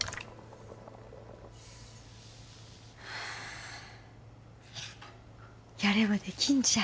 はあやればできんじゃん